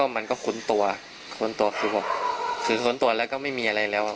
มันก็คุ้นตัวคือคุ้นตัวแล้วก็ไม่มีอะไรแล้ว